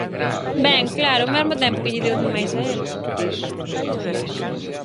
Ben, claro, o mesmo tempo que lle deu de máis a el.